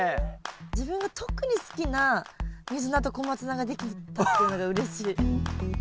自分が特に好きなミズナとコマツナができたっていうのがうれしい。